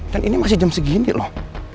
dan ini masih jam segini loh